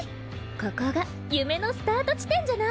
ここがゆめのスタートちてんじゃない。